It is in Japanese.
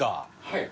はい。